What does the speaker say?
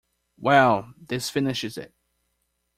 Well, this finishes it.